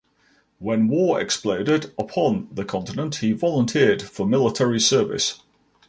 When war exploded upon the continent, he volunteered for military service.